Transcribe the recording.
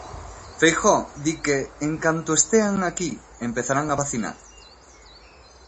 Feijóo di que, en canto estean aquí, empezarán a vacinar.